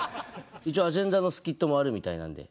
一応アジェンダのスキットもあるみたいなんで。